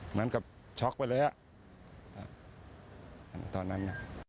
เหมือนกับช็อกไปเลยอ่ะตอนนั้น